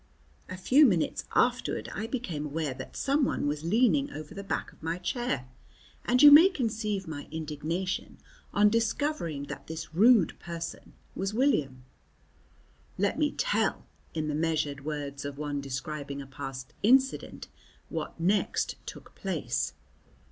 A few minutes afterward I became aware that someone was leaning over the back of my chair, and you may conceive my indignation on discovering that this rude person was William. Let me tell, in the measured words of one describing a past incident, what next took place.